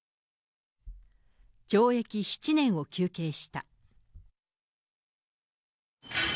懲役７年を求刑した。